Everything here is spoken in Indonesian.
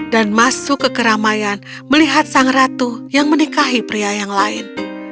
dan masuk ke keramaian melihat sang ratu yang menikahi pria yang lain